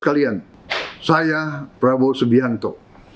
kalian saya prabowo subianto